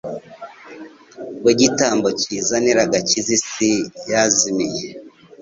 we gitambo kizanira agakiza isi yazimiye.